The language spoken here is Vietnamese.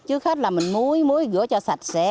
trước hết là mình muối muối muối gửi cho sạch sẽ